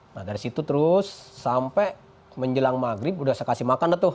nah dari situ terus sampai menjelang maghrib udah saya kasih makan tuh